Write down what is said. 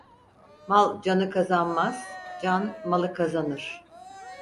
Mal canı kazanmaz, can malı kazanır.